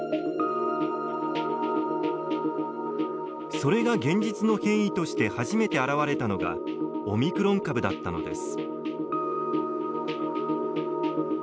それが現実の変異として初めて現れたのがオミクロン株だったのです。